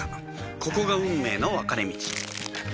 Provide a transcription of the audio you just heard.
ここが運命の分かれ道